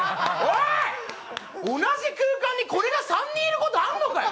同じ空間にこれが３人いることあるのかよ！